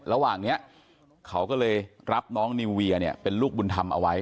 ระหว่างนี้เขาก็เลยรับน้องนิวเวียเนี่ยเป็นลูกบุญธรรมเอาไว้